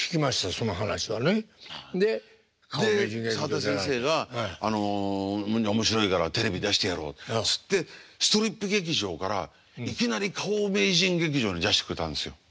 澤田先生が「面白いからテレビ出してやろう」っつってストリップ劇場からいきなり「花王名人劇場」に出してくれたんですよ。